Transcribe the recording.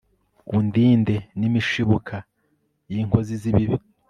undinde n'imishibuka y'inkozi z'ibibi